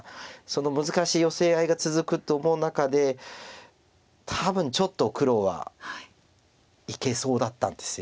その難しいヨセ合いが続くと思う中で多分ちょっと黒はいけそうだったんです。